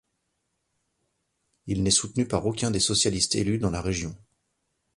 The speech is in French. Il n'est soutenu par aucun des socialistes élus dans la région.